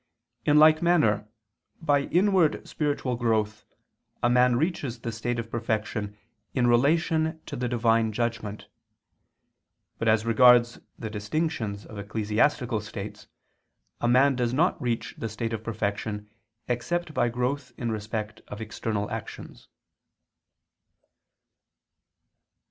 In like manner by inward spiritual growth a man reaches the state of perfection in relation to the Divine judgment. But as regards the distinctions of ecclesiastical states, a man does not reach the state of perfection except by growth in respect of external actions.